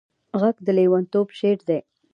غږ د لېونتوب شعر دی